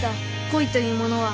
恋というものは